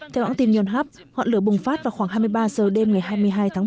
theo ẵng tìm nhuận hấp hỏa lửa bùng phát vào khoảng hai mươi ba giờ đêm ngày hai mươi hai tháng một